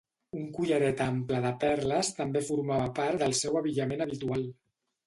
Un collaret ample de perles també formava part del seu abillament habitual.